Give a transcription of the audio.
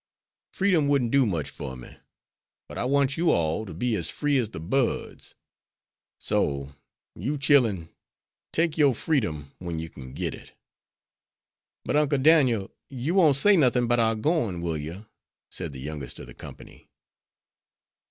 Freedom wouldn't do much for me, but I want you all to be as free as the birds; so, you chillen, take your freedom when you kin get it." "But, Uncle Dan'el, you won't say nothin' 'bout our going, will you?" said the youngest of the company.